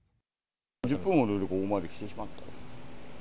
１０分ほどで、ここまで来てしまった。